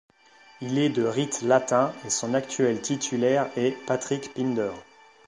Il est de rite latin et son actuel titulaire est Patrick Pinder.